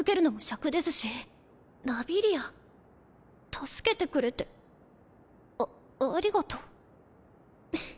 助けてくれてあありがと。